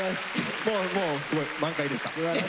もうもうすごい満開でした。